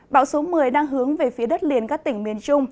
bão số một mươi đang hướng về phía đất liền các tỉnh miền trung